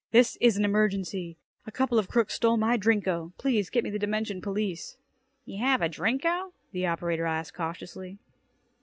"This is an emergency. A couple of crooks stole my Drinko. Please get me the dimension police." "You have a Drinko?" the operator asked cautiously.